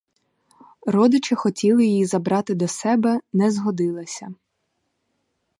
Родичі хотіли її забрати до себе — не згодилася.